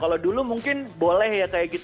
kalau dulu mungkin boleh ya kayak gitu